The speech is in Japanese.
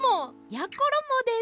やころもです。